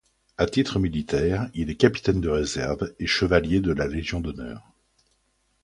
À titre militaire, il est capitaine de réserve et Chevalier de la Légion d'honneur.